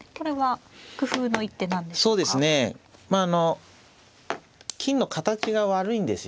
まああの金の形が悪いんですよね。